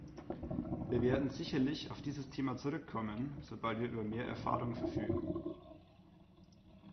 Wir werden sicherlich auf dieses Thema zurückkommen, sobald wir über mehr Erfahrung verfügen.